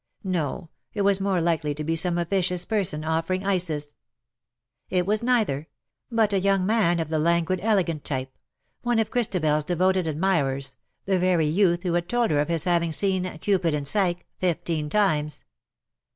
No, it was more likely to be some officious person, offering ices. It was neither ; but a young man of the languid elegant type — one of ChristabeFs devoted admirers, the very youth who had told her of his having seen ^^ Cupid and Psyche," fifteen times.